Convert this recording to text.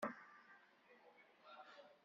Mmugreɣ-d tamesbanit n Yijiliyen Iwraɣen.